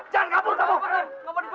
bayi kabur jangan kabur kamu